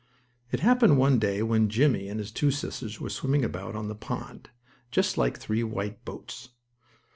It happened one day when Jimmie and his two sisters were swimming about on the pond, just like three white boats.